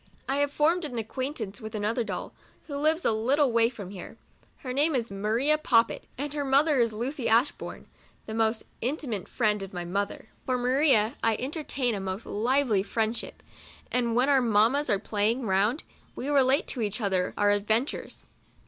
I have formed an acquaintance with another doll, who lives a little way from here. Her name is " Maria Poppet," and her mother is Lucy Ashbourne, the most intimate friend of my mother. For Maria I entertain a most lively friend ship, and when our mammas are playing round, we relate to each other our adven tures.